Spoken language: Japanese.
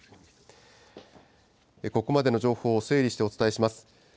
ここまでの情報を整理してお伝えします。